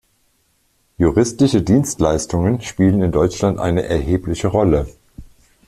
Juristische Dienstleistungen spielen in Deutschland eine erhebliche Rolle.